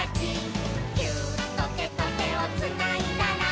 「ギューッとてとてをつないだら」